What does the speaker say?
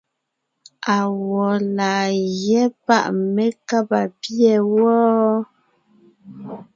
Awɔ̌ laa gyɛ́ páʼ mé kába pîɛ wɔ́?